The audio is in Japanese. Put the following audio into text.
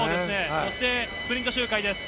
そしてスプリント周回です。